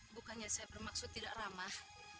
bukannya saya bermaksud tidak ramah